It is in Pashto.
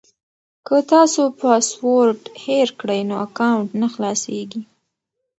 که تاسو پاسورډ هېر کړئ نو اکاونټ نه خلاصیږي.